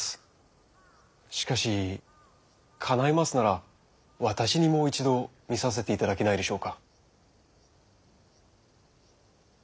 しかしかないますなら私にも一度診させて頂けないでしょうか。